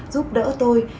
giúp đỡ tôi